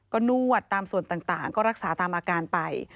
ก็นวดตามส่วนต่างก็รักษาตามอาการไป